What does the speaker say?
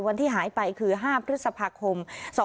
วันที่หายไปคือ๕พฤษภาคม๒๕๖๒